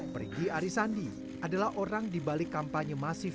perigi arisandi adalah orang dibalik kampanye masif